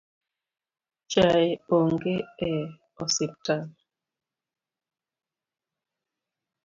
Chae onge e osiptal